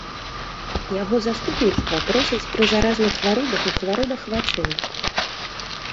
Яго заступніцтва просяць пры заразных хваробах і хваробах вачэй.